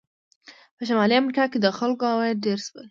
په شمالي امریکا کې د خلکو عواید ډېر شول.